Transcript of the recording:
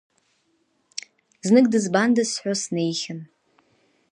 Знык дызбандаз сҳәо снеихьан.